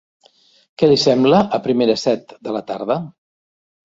Què li sembla a primera set de la tarda?